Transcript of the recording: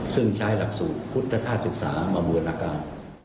ซึ่งใช้หลักสูตรพุทธธาตุศึกษามาบูรณาการ